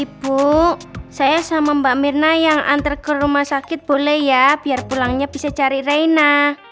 ibu saya sama mbak mirna yang antar ke rumah sakit boleh ya biar pulangnya bisa cari reina